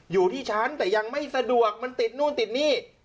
อยู่ที่ฉันแต่ยังไม่สะดวกมันติดนู่นติดนี่